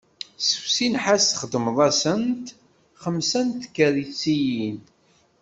Sefsi nnḥas txedmeḍ-asent xemsa n tkersiyin.